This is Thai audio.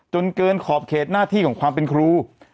จนเกินขอบเขตหน้าที่ของความเป็นครู